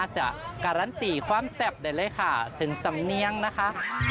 จะการันตีความแซ่บได้เลยค่ะถึงสำเนียงนะคะ